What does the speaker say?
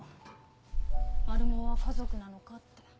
マルモは家族なのかって。